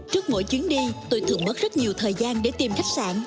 trước mỗi chuyến đi tôi thường mất rất nhiều thời gian để tìm khách sạn